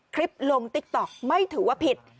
คลิปลงติ๊กต๊อกไม่ถือว่าผิด